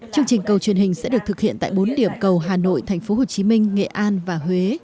chương trình cầu truyền hình sẽ được thực hiện tại bốn điểm cầu hà nội thành phố hồ chí minh nghệ an và huế